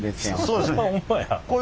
そうですね。